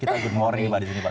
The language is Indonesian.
kita good morning pak di sini pak